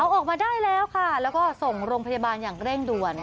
ออกมาได้แล้วค่ะแล้วก็ส่งโรงพยาบาลอย่างเร่งด่วน